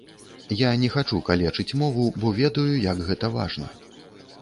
Я не хачу калечыць мову, бо ведаю, як гэта важна.